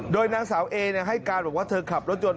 โดยนางสาวเอให้การบอกว่าเธอขับรถยนต์